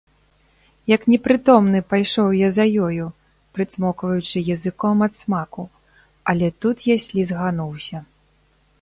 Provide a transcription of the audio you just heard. Як непрытомны, пайшоў я за ёю, прыцмокваючы языком ад смаку, але тут я слізгануўся.